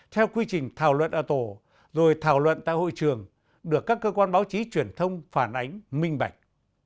theo quy trình thảo luận ở tổ rồi thảo luận tại hội trường được các cơ quan báo chí truyền thông phản ánh minh bạch